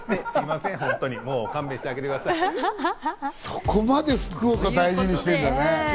そこまで福岡を大事にしてるんだね。